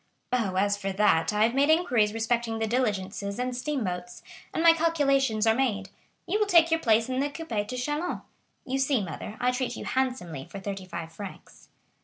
"Oh, as for that, I have made inquiries respecting the diligences and steamboats, and my calculations are made. You will take your place in the coupé to Châlons. You see, mother, I treat you handsomely for thirty five francs."